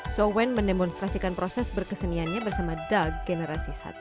so wen mendemonstrasikan proses berkeseniannya bersama dengan seniman